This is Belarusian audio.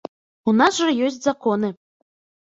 У нас жа ёсць законы.